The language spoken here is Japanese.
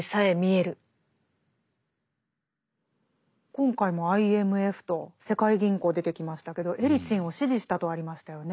今回もＩＭＦと世界銀行出てきましたけどエリツィンを支持したとありましたよね。